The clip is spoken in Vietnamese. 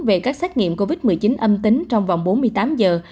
về các xét nghiệm covid một mươi chín âm tính trong vòng bốn mươi tám giờ